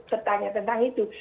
bertanya tentang itu